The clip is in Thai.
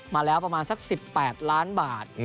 มาแล้วประมาณสัก๑๘ล้านบาท